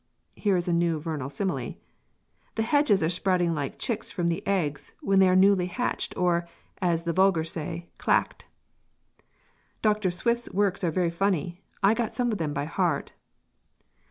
Here is a new vernal simile: "The hedges are sprouting like chicks from the eggs when they are newly hatched or, as the vulgar say, clacked". "Doctor Swift's works are very funny; I got some of them by heart."